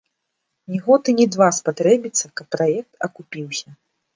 Не год і не два спатрэбіцца, каб праект акупіўся.